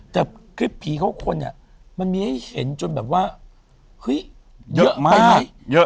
แต่คลิปผีเข้าคนเนี่ยมันมีให้เห็นจนแบบว่าเฮ้ยเยอะไหม